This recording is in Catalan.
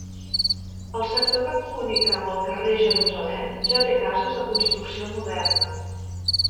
El sector que comunica amb el carrer Jerusalem ja té cases de construcció moderna.